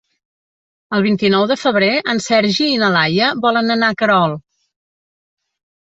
El vint-i-nou de febrer en Sergi i na Laia volen anar a Querol.